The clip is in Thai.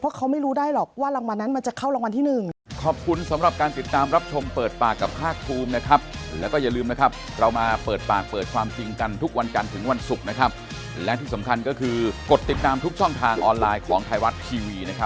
เพราะเขาไม่รู้ได้หรอกว่ารางวัลนั้นมันจะเข้ารางวัลที่หนึ่ง